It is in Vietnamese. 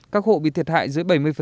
các hộ bị thiệt hại dưới bảy mươi